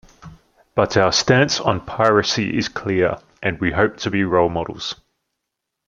But our stance on piracy is clear, and we hope to be role models.